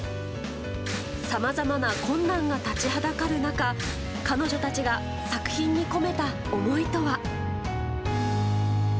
さまざまな困難が立ちはだかる中、彼女たちが作品に込めた思いとは。